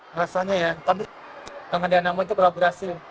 alasannya ya kami dengan danamon itu berlaborasi